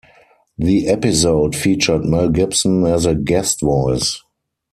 The episode featured Mel Gibson as a guest voice.